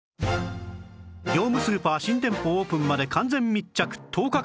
業務スーパー新店舗オープンまで完全密着１０日間